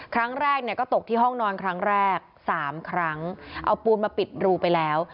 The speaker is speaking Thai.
ครั้งแรกเนี่ยก็ตกที่ห้องนอนครั้งแรกสามครั้งเอาปูนมาปิดรูไปแล้ว